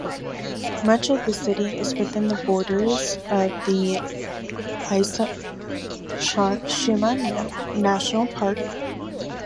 Much of the city is within the borders of the Ise-Shima National Park.